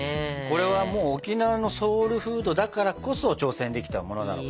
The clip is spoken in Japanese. これは沖縄のソウルフードだからこそ挑戦できたものなのかもね。